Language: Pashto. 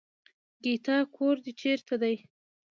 ګيتا کور دې چېرته دی.